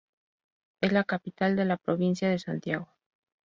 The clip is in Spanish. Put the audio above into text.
Es la capital de la provincia de Santiago.